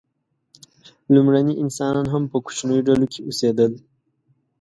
لومړني انسانان هم په کوچنیو ډلو کې اوسېدل.